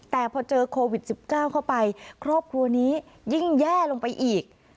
แต่พอเจอโควิด๑๙เข้าไปครอบครัวนี้ยิ่งแย่ลงไปอีก